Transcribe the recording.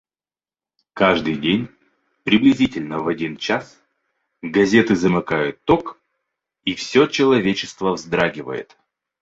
— Каждый день, приблизительно в один час, газеты замыкают ток, и все человечество вздрагивает.